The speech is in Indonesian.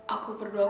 aku berdoa padamu